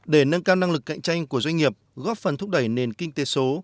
để nâng cao năng lực cạnh tranh của doanh nghiệp góp phần thúc đẩy nền kinh tế số